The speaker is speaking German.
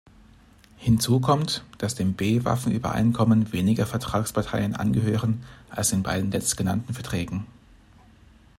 Hinzu kommt, dass dem B-Waffen-Übereinkommen weniger Vertragsparteien angehören als den beiden letztgenannten Verträgen.